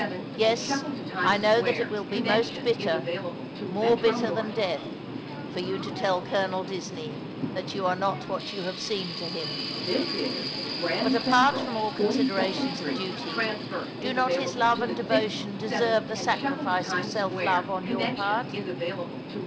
Yes, I know that it will be most bitter, more bitter than death— for you to tell Colonel Disney that you are not what you have seemed to him; but apart from all considerations of duty, do not his love and devotion deserve the sacrifice of self love on your part